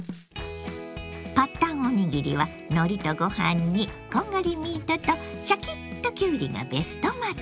パッタンおにぎりはのりとご飯にこんがりミートとシャキッときゅうりがベストマッチ。